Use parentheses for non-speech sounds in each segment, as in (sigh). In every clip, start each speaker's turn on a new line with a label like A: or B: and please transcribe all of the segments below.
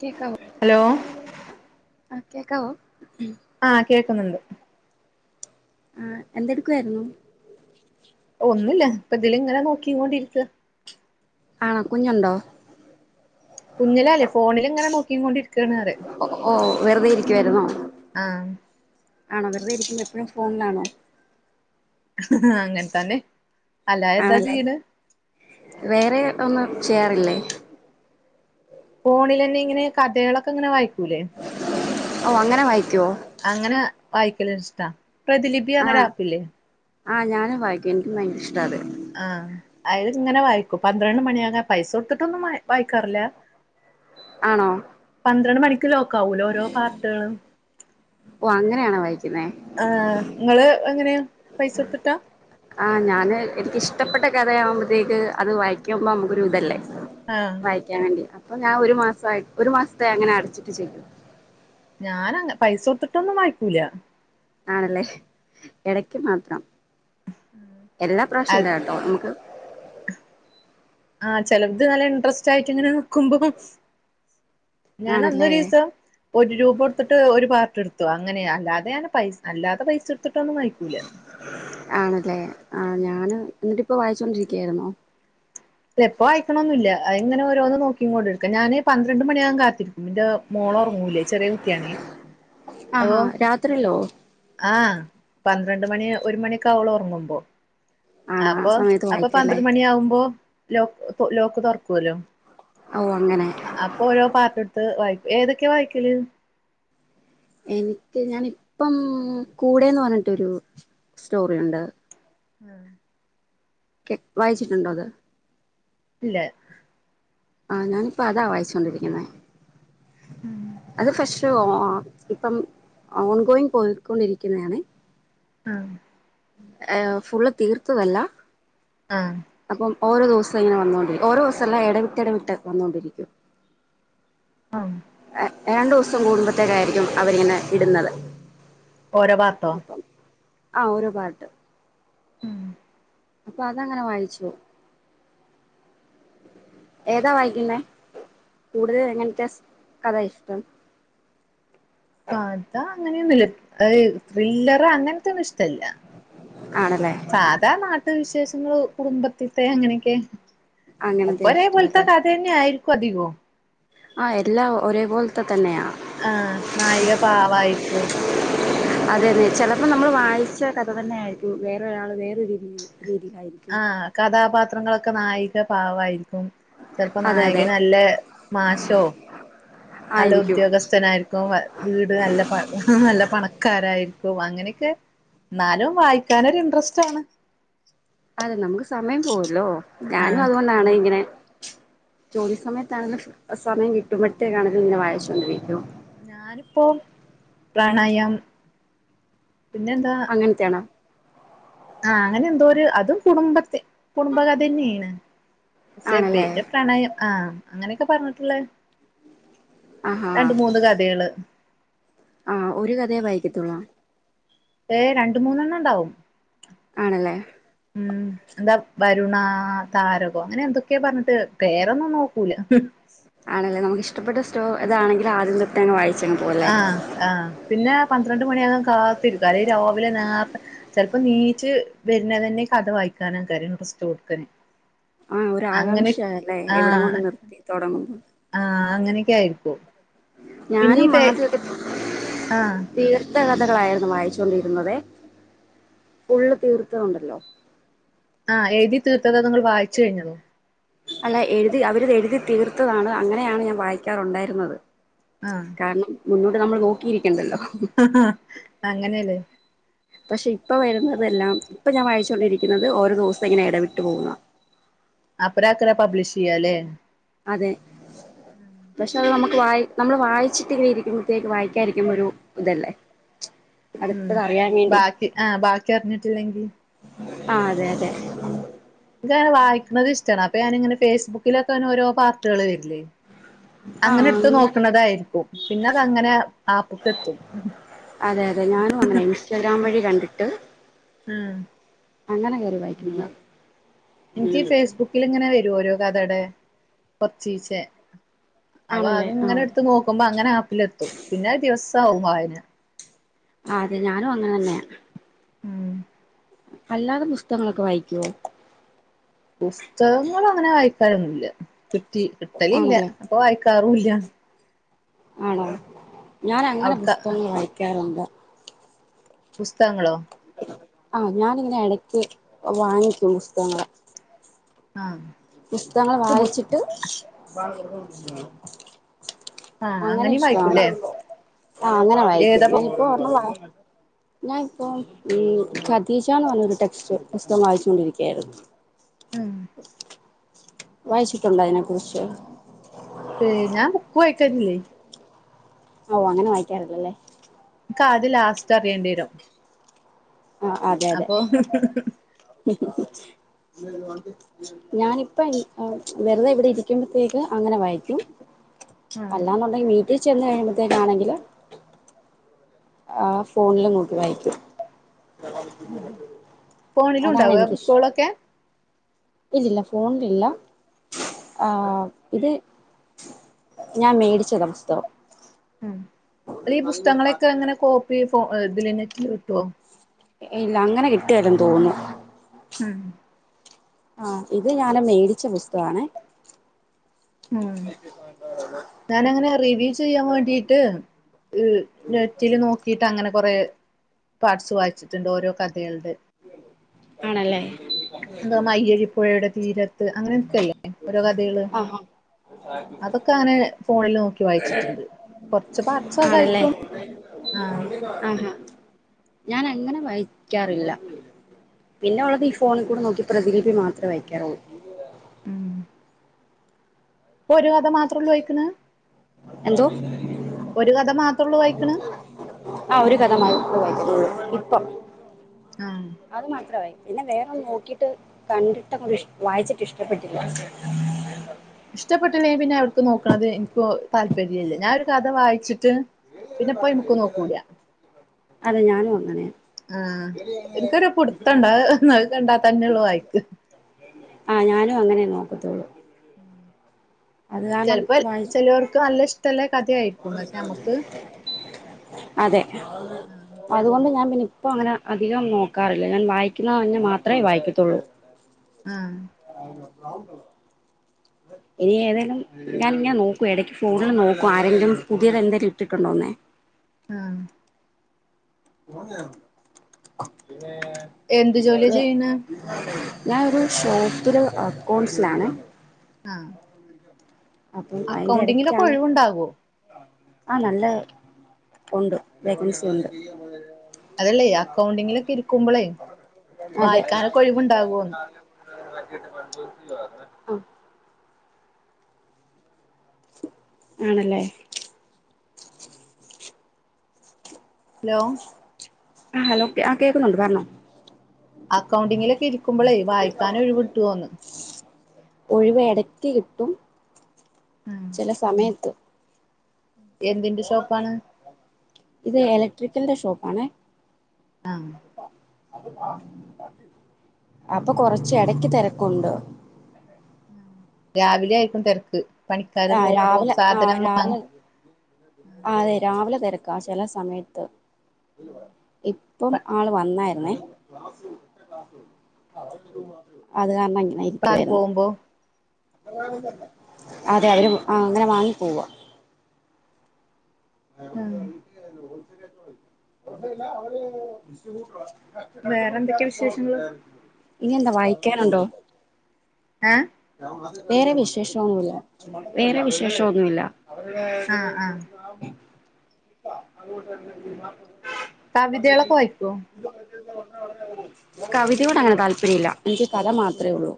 A: കേക്കാവോ
B: ഹലോ
A: ആ കേക്കാവോ
B: ുന്നുണ്ട്
A: ആഹ എന്തെടുക്കുായിരുന്നു
B: അങ്ങനെ നോക്കിോണ്ടിരിക്ക
A: ആണോ കുഞ്ഞുണ്ടോ
B: കുഞ്ഞില അല്ലേ ഫോണിലിങ്ങനെ നോക്കി കൊണ്ടിരിക്കണറ
A: ുന്നോ ആണോ വെറുതെ ഇരിക്കുമ്പോ എപ്പോഴും ഫോണിലാണോ
B: ആ അങ്ങനെ തന്നെ അല്ലാ എന്താ
A: ആണല്ലേ
B: ചെയ്യണ്
A: വേറെ ഒന്നും ചെയ്യാറില്ലേ
B: ഫോണിൽന്നെ ഇങ്ങനെ കഥകളൊക്കെ ഇങ്ങനെ വായിക്കൂലേ
A: ഓ അങ്ങനെ വായിക്കുവോ
B: അങ്ങനെ വായിക്കല ഇഷ്ടാ പ്രതിലിപിങ്ങരെ ആപ്പില്ലേ
A: ആഹ്ഞൻ വായിക്കും എനിക്കും ഭയങ്കരഷ്ട അത്
B: ആഹ അത് ഇങ്ങനെ വായിക്കൂ പന്ത്രണ്ട് മണിയക പൈസ കൊടുത്തിട്ടൊന്നും വായിക്കാറില്ല
A: ആ
B: പന്ത്രണ്ട് മണിക്ക് ലോക്ക ആാവലോ ഓരോ പാർട്ടുകളും
A: ഓ അങ്ങനെയണ വായിച്ച
B: ആ നിങ്ങള് എങ്ങനെയ പൈസ ഇട്ടട്ടാ
A: ആഹ് ഞാാന് എനക്ക്ിഷ്ടപ്പെട്ട കഥയാവുമ്പോഴത്തേക്ക് അത് വായിക്കുമ്പോ നമുക്കൊരു ഇതല്ലേ
B: ആഹ്
A: വായിക്കാൻ വേണ്ടി അപ്പൊ ഞാൻ ഒരു മാസ് ഒരു മാസത്തെ അങ്ങനെ അടച്ചിട്ട് ചെയ്യും
B: ഞാൻ പൈസ കൊടുത്തിട്ടൊന്നും വായിക്കൂല
A: ആണല്ലേ ഇടക്ക് മാത്രം എല്ലാ പ്രാവശ്യംല്ല കേട്ടോ നമക്ക്
B: ആഹ് ചെത് നല്ല ഇൻറ്രസ്റ്റ് ആയിട്ട് ഇങ്ങനെ നോക്കുമ്പോം ഞാൻ
A: ആണല്ലേ
B: അന്നരു ദിവസം ഒരു രൂപ കൊടുത്തിട്ട് ഒരു പാർട്ട് എടുത്ത അങ്ങനെ അല്ലാതെഞാൻ പൈ അല്ലാതെ പൈസ എടുത്തിട്ട്
A: ആണല്ലേ ആഹ ഞാന് എന്നിട്ട് ഇപ്പ വായിച്ചോൊണ്ടിരിക്കയായിുന്നോ
B: ഇല്ല എപ്പ വായിക്കണൊന്നുംില്ല അ ഇങ്ങനെ ഓരോന്ന് നോക്കിങ്ങോട്ട എടുക്ക ഞാന് പന്ത്രണ്ട് മണിയകൻ കാത്തിരിക്കും മ്മള ഉറങ്ങൂല്ലേ ചെറിയ കുട്ടിയാണ്
A: ആഹാ രാത്രില്ലോ
B: ആഹ് പന്ത്രണ്ട് മണി ഒരു മണിക്കാവള ഉറങ്ങുമ്പോ
A: ആണോ ആ
B: അപ്പൊ
A: സമയത്ത്
B: അപ്പൊ
A: വായിക്കുംല്ലേ
B: പന്ത്ര മണി ആകുമ്പോ ലോക്ക് ലോക്ക് തുറക്കല്ലോ
A: ഓ അങ്ങനെ
B: അപ്പൊ ഓരോ പാർട്ടി വായി ഏതൊക്കെ വായിക്കല്
A: എനിക്ക് ഞാനിപ്പം കൂടെന്ന് പറഞ്ഞിട്ടരു സ്റ്റോറുണ്ട്
B: ഉം
A: വായിച്ചിട്ടുണ്ടോ അത്
B: ഇല്ല
A: ആഹ ഞാനിപ്പോ അതാ വായിച്ചോൊണ്ടിരിക്കുന്നേ അത് ഫ്രഷ ഇപ്പം ഓൺഗോയിങ് പോയിക്കൊണ്ടിരിക്കുന്നതണേ
B: ആഹ
A: ഫുള് തീർത്തതല്ല
B: ആഹ
A: അപ്പം ഓരോ ദിവസം ഇങ്ങനെ വന്നോൊണ്ടരിക്ക ഓരോ ദിവസംല്ലാം ഇടവിട്ട ഇടവി വിട്ട് വന്നുകൊണ്ടിരിക്കും
B: ആഹ
A: രണ്ടു ദിവസം കൂടുമ്പത്ത കാര്യം അവരിങ്ങനെ ഇടുന്നത്
B: ഓരഭാത്തോ
A: ആഹ ഒര ഭാഗത്ത്
B: ഉം
A: അപ്പൊ അതങ്ങനെ വാങ്ങിച്ചു ഏതാ വായിക്കുന്ന കൂടുതൽ എങ്ങനത്തെ കഥ ഇഷ്ടം
B: അതാ അങ്ങനെയൊന്നുമ ഇ ത്രില്ലർ അങ്ങനത്തെൊന്നും ഇഷ്ട
A: ആണല്ലേ
B: സാധാ നാട്ടു വിശേഷ കുടുംബത്തിത്തെ അങ്ങനെയൊക്കെ
A: അങ്ങനത്തെ
B: ഒപ്പരേ പോലത്തെ
A: ഇഷ്ടല്ലേ
B: കഥ തന്നെ ആയിും അതിികോ
A: ആ എല്ലാ ഒരേ പോോലത്തെ തന്നെയാ
B: ആ നായിക പാവായിരിക്കും
A: അതെ അതെ ചെിലപ്പോ നമ്മൾ വായിച്ച കഥ തന്നെ ആയിരിക്കും വേറൊരാള് വേറൊ രീതി രീതിയിലായിരിക്കും
B: ആഹ കഥാപാത്രങ്ങളൊക്കെ നായിക പാവമായിരിക്കും ചെറപ്പോ
A: അതെ അതെ
B: നായകന് നല്ല മാഷോ നല്ല
A: ആയിരിക്കും
B: ഉദ്യോഗസ്ഥനായിരിക്കും വീട് നല്ല നല്ല പണക്കാരായിരിക്കും അങ്ങനെ എന്നാലും വായിക്കാനൊരു ഇൻട്രസ്റ്റ് ആണ്
A: അതെ നമുക്ക് സമയം പോവല്ലോ ഞാനും
B: ആഹ്
A: അതുകൊണ്ടാണ് ഇങ്ങനെ ജോലി സമയത്താണെങ്കും സമയം കിട്ടുമ്പോഴത്തേക്കാണെങ്കിലും ഇങ്ങനെ വായിച്ചോണ്ടിരിക്കും
B: ഞാനിപ്പോൾ പ്രണയം പിന്നെ എന്താ
A: അങ്ങനത്തെയാണോ
B: ആഹ അങ്ങനെ എന്തോ ഒരു അതും കുടുംബത്തി കുടുംബകഥ തന്നെയാണ് പക്ഷെ
A: ആണല്ലേ
B: പേര് പ്രണയം ആഹ് അങ്ങനെയൊക്കെ പറഞ്ഞിട്ടുള്ള
A: ആഹാ
B: രണ്ട് മൂന്ന് കഥകള്
A: ആ ഒരു കഥയെ വായിക്കത്തോളാ
B: ഏയ് രണ്ട് മൂന്നെണ്ണം ഉണ്ടാവും
A: ആണല്ലേ
B: ഉം എന്താ കരുണ താരകോ അങ്ങനെ എന്തൊക്കെയാ പറഞ്ഞിട്ട് പേരൊന്നും നോക്കൂല
A: ആണല്ലേ നമുക്ക് ഇഷ്ടപ്പെട്ട സ്റ്റോ അതാണെങ്കില ആദ്യം തൊട്ട് അങ്ങ് വായിക്കു
B: ആ ആ പിന്നെ പന്ത്രണ്ട് മണിയാകാൻ കാത്തിരിക്കും അല്ലെ രാവിലെ നേരത്തെ ചെലപ്പോ നീച്ച് വരുന്ന തന്നെ കഥ വായിക്കും ി (unintelligible) ക്കാന കര സ്റ്റ് കൊടുക്കനെ
A: ആഹ് ഒരു ആകാംക്ഷയല്ലേ എവിടം കൊണ്ട്
B: ആഹ്
A: നിർത്തി തുടങ്ങും
B: ആഹ് അങ്ങനെയൊക്കെ ആയിരിക്കും പിന്നെ ഈ
A: ഞാനും
B: പേ
A: ആദ്യമെക്കെ
B: ആഹ്
A: തീർ കഥകളായിരുന്നു വായിച്ചൊണ്ടിരുന്നത് ഫുള്ള് തീർത്തുന്നുണ്ടല്ലോ
B: ആഹ് എഴുതി തീർത്തതാ നിങ്ങൾ വായിച്ചു കഴിഞ്ഞതോ
A: അല്ല എഴുതി അവരിത് എഴുതി തീർത്തതാണ് അങ്ങനെയാണ് ഞാൻ വായിക്കാറുണ്ടായിരുന്നത്
B: ആഹ്
A: കാരണം മുന്നോട്ട് നമ്മൾ നോക്കി ഇരിക്കും
B: ഹ ഹാ അങ്ങനെയല്ലേ
A: പക്ഷെ ഇപ്പൊ വരുന്നതെല്ലാം ഇപ്പൊ ഞാൻ വായിച്ചോണ്ടിരിക്കുന്നത് ഓരോ ദിവസം ഇങ്ങനെ ഇടവിട്ടു പോകുന്ന (inaudible)
B: അപ്പറം അക്കര പബ്ലിഷ് ചെയ്യാലേ
A: അതെ
B: ഉം
A: പക്ഷെ അത് നമുക്ക് വായി നമ്മള് വായിച്ചിട്ട് ഇങ്ങനെ ഇരിക്കുമ്പോഴത്തേക്ക് വായിക്കാതിരിക്കുമ്പോ ഒരു ഇതല്ലേ
B: ഉം
A: അടുത്തത് അറിയാൻ വേണ്ടി
B: ബാക്കി ആഹ് ബാക്കി അറിഞ്ഞിട്ടില്ലെങ്കിൽ
A: ആ അതെ അതെ
B: എനക്ക്നെ വായിക്കുന്നത് ഇഷ്ടമാണ് അപ്പൊ ഞാനിങ്ങനെ ഫേസ്ബുക്കിലൊക്കെ ഓരോ പാർട്ടുകൾ വരില്ലേ അങ്ങനെ എടുത്ത് നോക്കണതായിരിക്കും പിന്നെ അത് അങ്ങനെ ആപ്പക്കെത്തും
A: അതെ അതെ ഞാനും അങ്ങനെ ഇൻസ്റ്റഗ്രാം വഴി കണ്ടിട്ട്
B: ഉം
A: അങ്ങനെ കേറി വായിക്കുന്നതാ
B: എനിക്ക് ഫേസ്ബുക്കിൽ ഇങ്ങനെ വരും ഓരോ കഥയുടെ കൊറച്ചീച്ച അപ്പൊ
A: ആണല്ലേ
B: അത് ഇങ്ങനെ
A: ആഹ്
B: എടുത്ത് നോക്കുമ്പോ അങ്ങനെ ആപ്പിലെത്തും പിന്നെ ദിവസ ആവും വായന
A: ആ അതെ ഞാനും അങ്ങനെ തന്നെയാണ്
B: ഉം
A: അല്ലാതെ പുസ്തകങ്ങളൊക്കെ വായിക്കുവോ
B: പുസ്തകങ്ങൾ അങ്ങനെ വായിക്കാനൊന്നുമില്ല കിട്ടി കിട്ടലില്ല
A: ആണല്ലേ
B: അപ്പൊ വായിക്കാറുമില്ല ഞാ
A: ആണോ ഞാൻ അങ്ങനെ
B: അവിടുത്തെ
A: പുസ്തകങ്ങൾ വായിക്കാറുണ്ട്
B: പുസ്തകങ്ങളോ
A: ആഹ് ഞാനിങ്ങനെ ഇടയ്ക്ക് വാങ്ങിക്കും പുസ്തകങ്ങള്
B: ആഹ്
A: പുസ്തകങ്ങൾ വായിച്ചിട്ട്
B: ആഹ്
A: അങ്ങനെ
B: അങ്ങനെയും
A: ഇഷ്ടാണ്
B: വായിക്കൂല്ലേ
A: ആ അങ്ങനെ വായിക്കും
B: ഏതാപ്പ
A: ഞാനിപ്പോ ഒരണ്ണം വായി (inaudible) ഞാനിപ്പോ ഖതീജാന്ന് പറത്തെരു ടെക്സ്റ്റ് പുസ്തകം വായിച്ചു കൊണ്ടിരിക്കയായിരുന്നു
B: മ്
A: വായിച്ചിട്ടുണ്ടോ അതിനെ കുുറിച്ച്
B: പ ഞാൻ ബുക്ക് വായിചേരുന്നില്ലേ
A: ഓ അങ്ങനെ വായിക്കാറില്ലല്ലേ
B: അത് ലാസ്റ്റ് അറിയേണ്ടി വരും അപ്പൊ
A: (inaudible) ഞാനിപ്പ വെറുതെ ഇവിടെ ഇരിക്കുമ്പോഴത്തേക്ക് അങ്ങനെ വായിക്കും
B: ആഹ്
A: അല്ലാെന്നുണ്ടെങ്കി വീട്ടിൽ ചെന്ന് കഴിയുമ്പോത്തേക്കാണെങ്കില് ആ ഫോണില് നോക്കി വായിക്കൂ
B: ഫോണിലും
A: അതാണ്
B: ഉണ്ടാവോ
A: എനിക്കിഷ്
B: ബുക്കുകളൊക്കെ
A: ഇല്ലല്ല ഫോണിലില്ല ആ ഇത് ഞാൻ മേടിച്ചത് പുസ്തകം
B: ഉ അല്ല ഈ പുസ്തകങ്ങളെയൊക്കെ എങ്ങനെ കോപ്പി ഇതില നെറ്റില് കിട്ടുവോ
A: ഇല്ല അങ്ങനെ കിട്ടുവാലും തോന്നുന്നു
B: ഉം
A: ആ ഇത് ഞാന മേടിച്ച പുസ്തകണെ
B: ഉം ഞാന അങ്ങനെ റിവ്യൂ ചെയ്യാൻ വേണ്ടീട്ട് നെറ്റില് നോക്കിയിട്ട് അങ്ങനെ കൊറെ പാട്്സ് വായിച്ചിട്ടുണ്ട് ഓരോ കഥകളുടെ
A: ആണല്ലേ
B: എന്ത അയ്യരിിപ്പുഴയുടെ തീരത്ത് അങ്ങനെയൊക്കെയല്ലേ ഓരോ കഥകള്
A: (unintelligible)
B: അതൊക്കെ അങ്ങനെ ഫോണിൽ നോക്കി വായിച്ചിട്ടുണ്ട് കൊറച്ച് പാർട്സൊക്കെ
A: ആണല്ലേ
B: ആയിരിക്കും ആഹ്
A: ആഹാ ഞാൻ അങ്ങനെ വായിക്കാറില്ല പിന്നെ ഉള്ളത് ഈ ഫോണിൽ കൂടെ നോക്കി പ്രതിലിപ്പി മാത്രമേ വയ്ക്കാറുള്ള
B: ഉം ഇപ്പൊ ഒരു കഥ മാത്രള്ളൂ വായിക്കിന്
A: എന്തോ
B: ഒരു കഥ മാത്രള്ളൂ വായിക്കണ്
A: ആ ഒരു കഥ മാത്ര (unintelligible) ഇപ്പം
B: ആഹ്
A: അത് മാത്രമായി പിന്നെ വേറൊന്നും നോക്കിട്ട് കണ്ടിട്ട് വായിച്ചിട്ട് ഇഷ്ടപ്പെട്ടില്ല
B: ഇഷ്ടപ്പെട്ടില്ലെ പിന്നെ അവർക്ക് നോക്കണത് എനിക്ക് താല്പര്യ ഇല്ല ഞാനൊരു കഥ വായിച്ചിട്ട് പിന്നെപ്പോ അയ്മക്ക് നോക്കൂല
A: അതെ ഞാനും അങ്ങനെ
B: ആഹ് എനിക്കൊരു പുടുത്തണ്ട് ആ കണ്ടാ തന്നെള്ളു വായിക്ക്
A: ആ ഞാനും അങ്ങനെ നോക്കത്തുള്ളൂ അത് കാരണം
B: ചെലപ്പോ
A: വായി
B: ചെലോർക്ക് നല്ല ഇഷ്ടെല്ല കഥായ്ക്കും പഷെ അമ്മക്ക്
A: അതെ അതുകൊണ്ട് ഞാൻ പിന്ന ഇപ്പ അങ്ങനെ അധികം നോക്കാറില്ല ഞാൻ വായിക്കുന്ന തന്നെ മാത്രമേ വായിക്കത്തുള്ളൂ
B: ആഹ്
A: (unintelligible) ഇനി ഏതേലും ഞാനിങ്ങൻ നോക്കൂ എടക്ക് ഫോണിൽ നോക്കൂ ആരെങ്കിലും പുതിയത് എന്തേലും ഇട്ടിട്ടുണ്ടോന്നേ
B: ആഹ്
A: (unintelligible) (inaudible)
B: എന്ത് ജോലിയാ ചെയ്യണെ
A: ഞാനൊരു ഷോപ്പില് അക്കൗണ്ട്സിലാണേ
B: ആഹ്
A: അപ്പൊ
B: അക്കൗണ്ടിങ്ങിലൊക്കെ
A: അയ്ന്റെടക്കാണ്
B: ഒഴിവുണ്ടാകോ
A: ആ നല്ല ഒണ്ട് വേക്കെൻസി ഒണ്ട്
B: അതല്ലേ അക്കൗണ്ടിങ്ങിലൊക്കെ ഇരിക്കുമ്പളേ
A: അതെ
B: വായിക്കാനൊക്കെ ഒഴിവുണ്ടാകോന്ന്
A: അ ആണല്ലേ
B: ഹലോ
A: ആ ഹലോ ആ കേക്കുന്നുണ്ട് പർഞ്ഞോ
B: അക്കൗണ്ടിങ്ങിലൊക്കെ ഇരിക്കുമ്പളേ വായിക്കാനും ഒഴിവിട്ട്വോന്ന്
A: ഒഴിവെടക്ക് കിട്ടും ചെലസമയത്ത്
B: എന്തിന്റെ ഷോപ്പാണ്.
A: (unintelligible) ട്രിക്കലിന്റെ ഷോപ്പാണേ
B: ആ
A: അപ്പൊ കൊറച്ച് എടക്ക് തെരക്കുണ്ട്
B: രാവിലെ ആയിക്കും തെരക്ക്
A: ആ രാവിലെ ആ രാവിലെ ആ അതെ രാവിലെ തെര ക്കാ ചെല സമയത്ത് ഇപ്പം
B: വാ
A: ആൾ വന്നായിരുന്നെ അത് കാര്ണ
B: കാറിപോമ്പോ
A: അതെ അവര് ആ അങ്ങനെ വാങ്ങി പോവാ ീ (unintelligible) ഹോസൽ (unintelligible) ആക്ക അവ (unintelligible) ബിസി ട്ട
B: വേറെ എന്തൊക്കെയാ വിശേഷങ്ങള്
A: ഇനിയെന്താ വായിക്കാനുണ്ടോ
B: ഏ
A: വേറെ വിശേശോന്നുല്ല വേറെ വിശേഷോന്നുല്ല
B: ആ ആ
A: അ (unintelligible)
B: കവിതേളൊക്കെ വായിക്കോ
A: കവിതയോടങ്ങനെ താല്പര്യല്ല എനിക്ക് കഥ മാത്രേയുള്ളൂ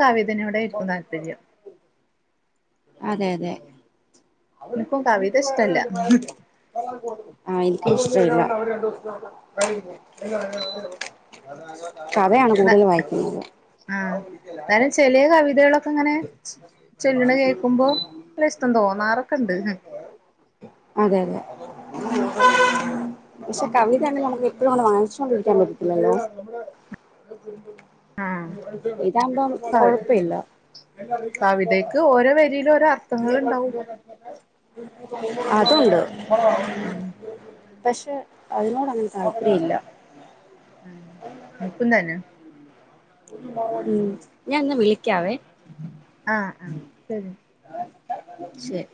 B: കവിതനോടെയിരിക്കും താല്പര്യം
A: അതെയതെ ആ
B: എനിക്കും കവിത ഇഷ്ടല്ല
A: ഇഷ്ടവില്ല യാണ് കൂടുതൽ വായിക്കുന്നത്
B: ആ ന്തായാലും ചെലെ കവിതേളൊക്കെങ്ങനെ ചെല്ല്ണെ കേക്കുമ്പോ (unintelligible) തോന്നാറൊക്കെ ഉണ്ട്
A: അതെയതെ വായിച്ചുകൊണ്ടിരിക്കാൻ പറ്റത്തില്ലല്ലോ ഇതാകുമ്പം
B: ആ
A: കൊഴപ്പമില്ല
B: കവിതയ്ക്ക് ഓരോ വരിയിലും ഓരോ അർത്ഥങ്ങൾ ഉണ്ടാവും
A: അതുണ്ട്
B: ഉം
A: പക്ഷെ അതിനോട് അങ്ങനെ താല്പര്യമില്ല
B: ഉം എനിക്കും തന്നെ
A: ഉം ഞാൻ എന്നാ വിളിക്കാവേ
B: ആഹ് ആഹ് ശരി
A: ശരി